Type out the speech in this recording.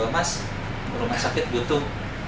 mas rumah sakit butuh